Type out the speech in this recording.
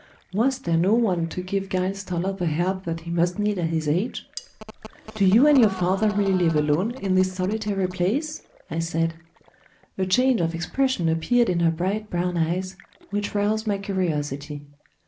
Was there no one to give Giles Toller the help that he must need at his age? "Do you and your father really live alone in this solitary place?" I said. A change of expression appeared in her bright brown eyes which roused my curiosity.